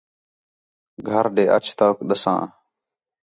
گھر ݙے اِچ توک ݙَساں